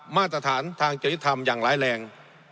มาตรฐานทางจริยธรรมอย่างร้ายแรง